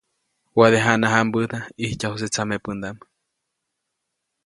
Waʼade jana jãmbäda ʼijtyajuse tsamepändaʼm.